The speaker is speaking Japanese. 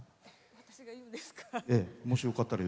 私が言うんですか。